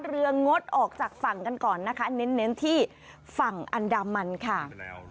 งดออกจากฝั่งกันก่อนนะคะเน้นที่ฝั่งอันดามันค่ะ